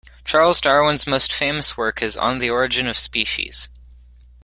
Charles Darwin's most famous work is On the Origin of Species.